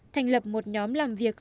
thành lập một nhóm làm việc